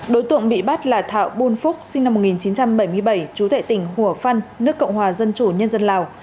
đối tượng bị bắt là thảo bùn phúc sinh năm một nghìn chín trăm bảy mươi bảy chú tệ tỉnh hùa phân nước cộng hòa dân chủ nhân dân lào